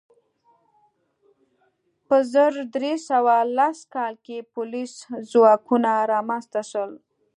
په زر درې سوه لس کال کې پولیس ځواکونه رامنځته شول.